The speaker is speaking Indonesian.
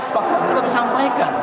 fakta fakta kami sampaikan